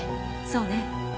そうね。